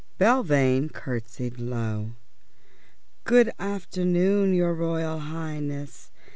Belvane curtsied low. "Good afternoon, your Royal Highness.